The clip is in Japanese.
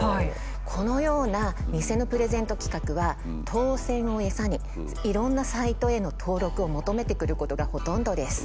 このような偽のプレゼント企画は当選をエサにいろんなサイトへの登録を求めてくることがほとんどです。